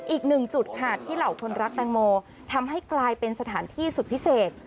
อีกหนึ่งจุดค่ะที่เหล่าคนรักแตงโมทำให้กลายเป็นสถานที่สุดพิเศษ